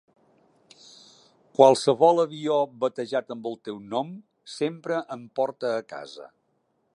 Qualsevol avió batejat amb el teu nom sempre em porta a casa.